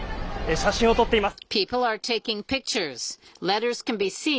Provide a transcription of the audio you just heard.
写真を撮っています。